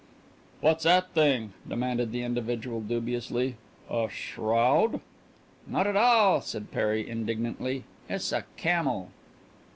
"What's 'at thing?" demanded the individual dubiously. "A shroud?" "Not at all," said Perry indignantly. "It's a camel."